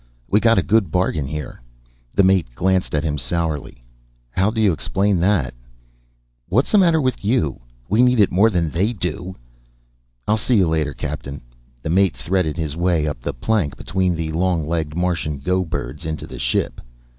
"We got a good bargain here." The mate glanced at him sourly. "How do you explain that?" "What's the matter with you? We need it more than they do." "I'll see you later, Captain." The mate threaded his way up the plank, between the long legged Martian go birds, into the ship.